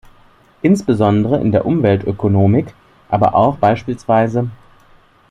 Insbesondere in der Umweltökonomik, aber auch bspw.